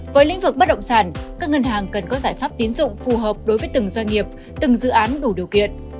với lĩnh vực bất động sản các ngân hàng cần có giải pháp tín dụng phù hợp đối với từng doanh nghiệp từng dự án đủ điều kiện